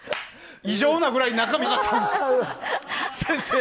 異常なぐらい中身がなかったんですけど。